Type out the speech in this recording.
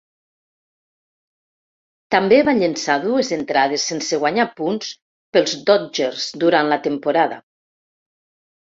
També va llençar dues entrades sense guanyar punts pels Dodgers durant la temporada.